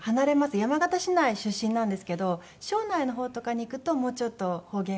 山形市内出身なんですけど庄内の方とかに行くともうちょっと方言が。